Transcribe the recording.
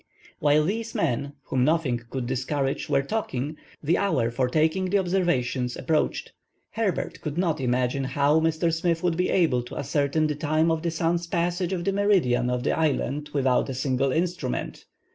While these men, whom nothing could discourage, were talking, the hour for taking the observation approached. Herbert could not imagine how Mr. Smith would be able to ascertain the time of the sun's passage of the meridian of the island without a single instrument.